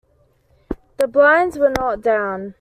The blinds were not down.